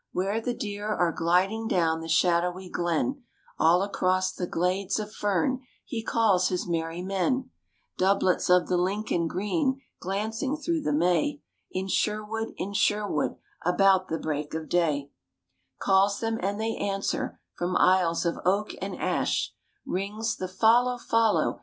Where the deer are gliding down the shadowy glen All across the glades of fern he calls his merry men; Doublets of the Lincoln green glancing through the May In Sherwood, in Sherwood, about the break of day; RAINBOW GOLD Calls them and they answer: from aisles of oak and ash Rings the Follow! Follow!